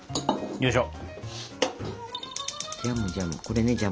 よいしょ。